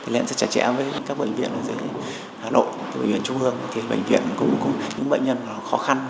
lệnh sẽ trả trẻ với các bệnh viện ở dưới hà nội bệnh viện trung hương bệnh viện cũng có những bệnh nhân khó khăn